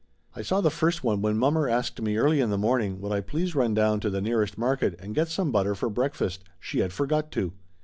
I saw the first one when mommer asked me early in the morning would I please run down to the nearest market and get some butter for breakfast, she had for got to